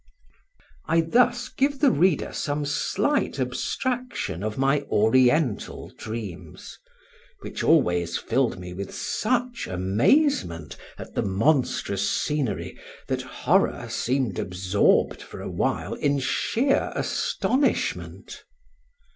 I thus give the reader some slight abstraction of my Oriental dreams, which always filled me with such amazement at the monstrous scenery that horror seemed absorbed for a while in sheer astonishment.